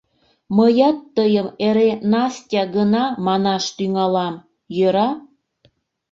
Мыят тыйым эре Настя гына манаш тӱҥалам, йӧра?